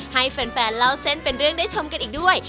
ให้แฟนเล่าเส้นเป็นเรื่องได้ชมกันอีกด้วย